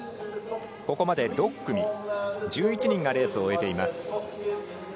ここまで６組１１人がレースを終えています。